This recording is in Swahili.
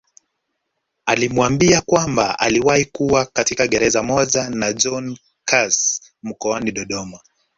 Alimwambia kwamba aliwahi kuwa katika gereza moja na John Carse mkoani Dodoma